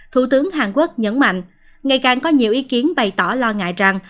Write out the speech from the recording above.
thủ tướng hàn quốc nhấn mạnh ngày càng có nhiều ý kiến bày tỏ lo ngại rằng